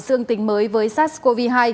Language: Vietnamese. xương tính mới với sars cov hai